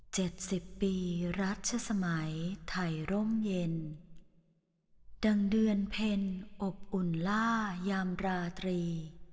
สิบปีรัชสมัยไทยร่มเย็นดังเดือนเพ็ญอบอุ่นล่ายามราตรี